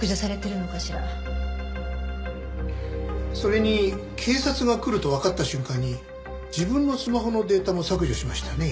それに警察が来るとわかった瞬間に自分のスマホのデータも削除しましたよね？